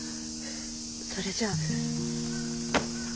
それじゃ。